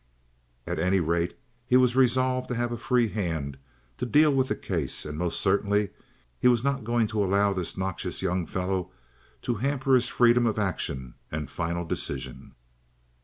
At any rate, he was resolved to have a free hand to deal with the case, and most certainly he was not going to allow this noxious young fellow to hamper his freedom of action and final decision.